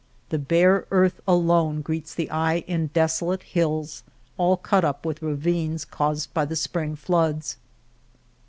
The bare earth alone greets the eye in desolate hills, all cut up with ravines caused by the spring floods.